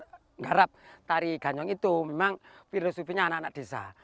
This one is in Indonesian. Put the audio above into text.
menggarap tari ganyong itu memang filosofinya anak anak desa